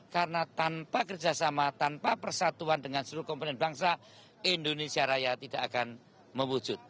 karena tanpa kerjasama tanpa persatuan dengan seluruh komponen bangsa indonesia raya tidak akan mewujud